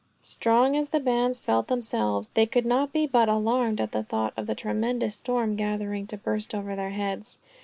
Strong as the bands felt themselves, they could not but be alarmed at the thought of the tremendous storm gathering to burst over their heads.